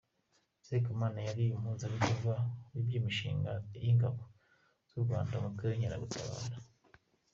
Sekamana yari Umuhuzabikorwa w’iby’imishinga y’Ingabo z’u Rwanda, Umutwe w’Inkeragutabara.